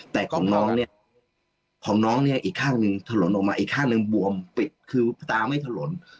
แต่กล้องน้องเนี่ยของน้องเนี่ยอีกข้างหนึ่งถลนออกมาอีกข้างหนึ่งบวมปิดคือตาไม่ถลน